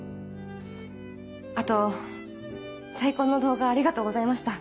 あと『チャイコン』の動画ありがとうございました。